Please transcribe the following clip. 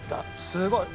すごい。